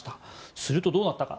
すると、どうなったか。